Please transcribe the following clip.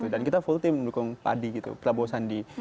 dan kita full team mendukung padi prabowo sandi